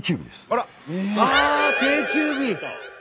ああ定休日！